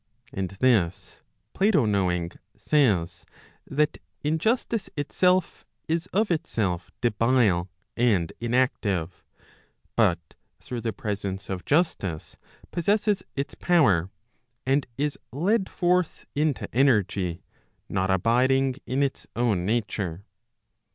And this Plato knowing, says, that injustice itself is of itself debile and inactive; but through the presence of justice possesses its power, and is led forth into energy, not abiding in its own nature.